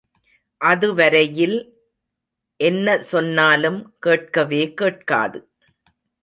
அதுவரை யில் என்ன சொன்னாலும், கேட்கவே கேட்காது.